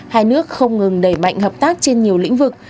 hai nước không ngừng đẩy mạnh hợp tác trên nhiều lĩnh vực